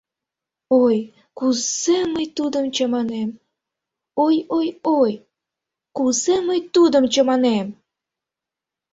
— Ой, кузе мый тудым чаманем, ой-ой-ой, кузе мый тудым чаманем!